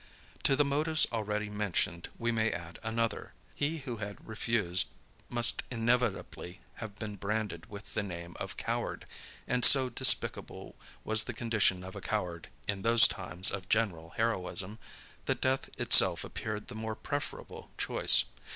To the motives already mentioned, we may add another. He who had refused, must inevitably have been branded with the name of coward: and, so despicable was the condition of a coward, in those times of general heroism, that death itself appeared the more preferable choice.